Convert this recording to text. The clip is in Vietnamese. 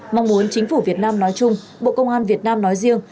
mong muốn chính phủ việt nam nói chung bộ công an việt nam nói riêng